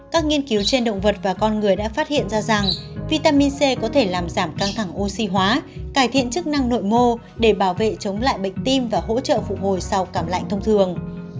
các nghiên cứu trên động vật và con người đã phát hiện ra rằng vitamin c có thể làm giảm căng thẳng oxy hóa cải thiện chức năng nội mô để bảo vệ chống lại bệnh tim và hỗ trợ phụ hồi sau cảm lạnh thông thường